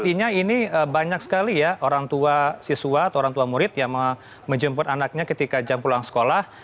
artinya ini banyak sekali ya orang tua siswa atau orang tua murid yang menjemput anaknya ketika jam pulang sekolah